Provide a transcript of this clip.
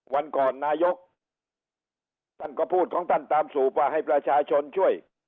วันก่อนนายกท่านก็พูดของท่านตามสูบว่าให้ประชาชนช่วย